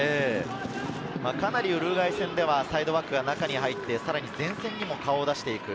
ウルグアイ戦ではサイドバックが中に入って、前線にも顔を出して行く。